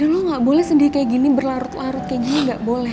lo gak boleh sedih kayak gini berlarut larut kayak gini gak boleh